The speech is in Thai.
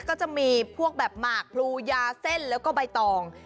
ก็จะมีพวกแบบหมากพลูยาเส้นแล้วก็ใบตอง